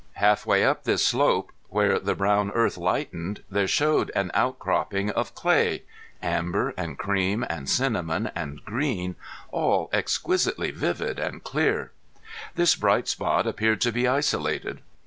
Half way up this slope, where the brown earth lightened there showed an outcropping of clay amber and cream and cinnamon and green, all exquisitely vivid and clear. This bright spot appeared to be isolated.